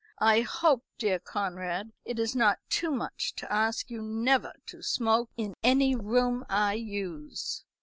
I hope, dear Conrad, it is not too much to ask you never to smoke in any room I use."